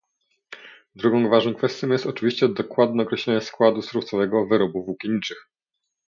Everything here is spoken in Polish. Drugą ważną kwestią jest oczywiście dokładne określenie składu surowcowego wyrobów włókienniczych